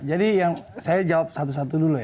jadi yang saya jawab satu satu dulu ya